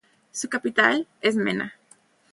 Su capital es Mena.